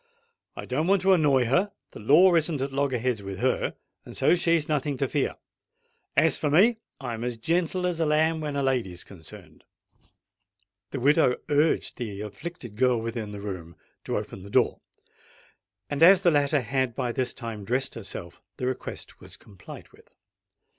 I don't want to annoy her: the law isn't at loggerheads with her—and so she's nothing to fear. As for me, I'm as gentle as a lamb when a lady's concerned." The widow urged the afflicted girl within the room to open the door; and as the latter had by this time dressed herself, the request was complied with.